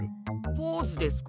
ポーズですか？